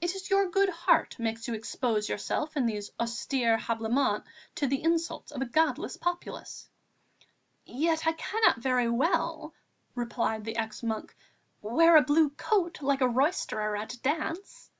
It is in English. It is your good heart makes you expose yourself in these austere habiliments to the insults of a godless populace." "Yet I cannot very well," replied the ex monk, "wear a blue coat, like a roisterer at a dance!"